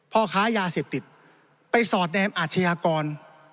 พ่อค้ายาเสพติดไปสอดแนมอาชญากร